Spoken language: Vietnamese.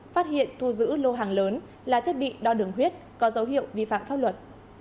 phát hiện thu giữ lô hàng lớn là thiết bị đo đường huyết có dấu hiệu vi phạm pháp luật